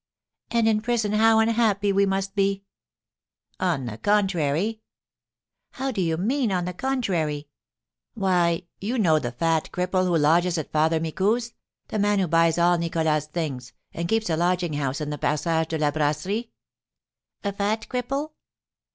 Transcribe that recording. "And in prison how unhappy we must be." "On the contrary " "How do you mean on the contrary?" "Why, you know the fat cripple who lodges at Father Micou's, the man who buys all Nicholas's things, and keeps a lodging house in the Passage de la Brasserie?" "A fat cripple?"